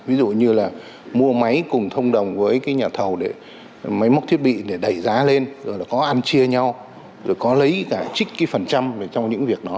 ví dụ như là mua máy cùng thông đồng với cái nhà thầu để máy móc thiết bị để đẩy giá lên rồi là có ăn chia nhau rồi có lấy cả trích cái phần trăm về trong những việc đó